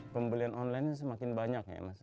pembelian online ini semakin banyak ya mas